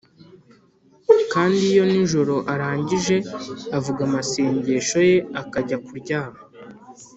kandi iyo nijoro arangije avuga amasengesho ye akajya kuryama